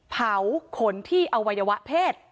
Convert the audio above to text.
ขนที่อวัยวะเพศ